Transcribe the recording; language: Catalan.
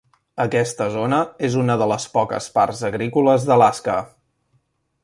Aquesta zona és una de les poques parts agrícoles d'Alaska.